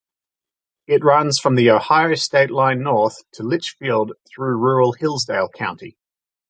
It runs from the Ohio state line north to Litchfield through rural Hillsdale County.